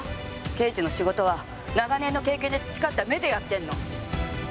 刑事の仕事は長年の経験で培った目でやってんの！